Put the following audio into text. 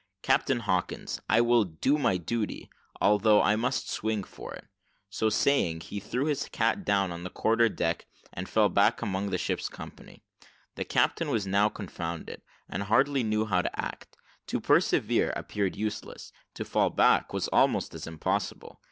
"Captain Hawkins, I will do my duty, although I must swing for it." So saying, he threw his cat down on the quarter deck, and fell back among the ship's company. The captain was now confounded, and hardly knew how to act: to persevere, appeared useless to fall back, was almost as impossible.